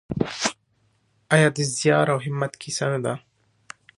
آیا د زیار او همت کیسه نه ده؟